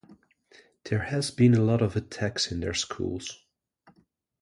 There has been a lot of attacks in their schools.